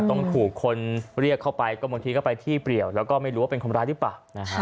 ต้องถูกคนเรียกเข้าไปก็บางทีก็ไปที่เปรียวแล้วก็ไม่รู้ว่าเป็นคนร้ายหรือเปล่า